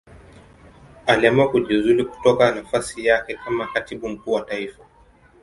Aliamua kujiuzulu kutoka nafasi yake kama Katibu Mkuu wa Taifa.